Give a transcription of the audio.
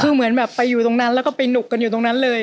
คือเหมือนแบบไปอยู่ตรงนั้นแล้วก็ไปหนุกกันอยู่ตรงนั้นเลย